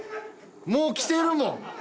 もうきてるもん。